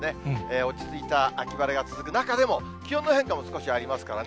落ち着いた秋晴れが続く中でも、気温の変化も少しありますからね。